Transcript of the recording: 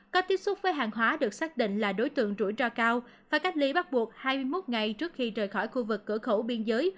có tiếp xúc với hàng hóa được xác định là đối tượng rủi ro cao phải cách ly bắt buộc hai mươi một ngày trước khi rời khỏi khu vực cửa khẩu biên giới